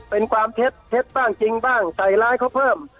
เป็นความเท็จรักจริงต่ายร้ายขอเพิ่ม